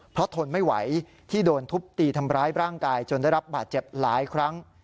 เพราะทนไม่ไหวที่โดนทุบตีทำร้ายร่างกายจนได้รับบาดเจ็บหลายครั้ง